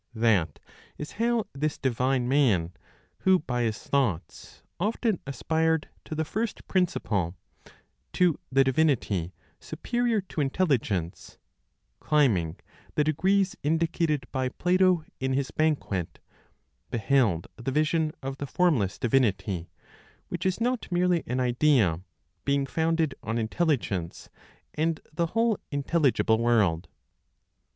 That is how this divine man, who by his thoughts often aspired to the first (principle), to the divinity superior (to intelligence), climbing the degrees indicated by Plato (in his Banquet), beheld the vision of the formless divinity, which is not merely an idea, being founded on intelligence and the whole intelligible world.